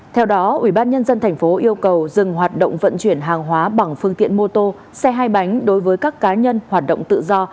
theo đó ủy ban nhân dân thành phố yêu cầu dừng hoạt động vận chuyển hàng hóa bằng phương tiện mô tô xe hai bánh đối với các cá nhân hoạt động tự do